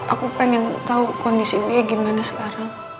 aku pengen tahu kondisi dia gimana sekarang